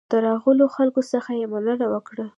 د راغلو خلکو څخه یې مننه وکړه.